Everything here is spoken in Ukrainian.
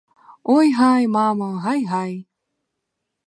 Ой гай, мамо, гай, гай!